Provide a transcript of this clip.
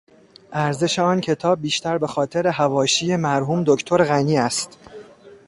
ارزش آن کتاب بیشتر به خاطر حواشی مرحوم دکتر غنی است.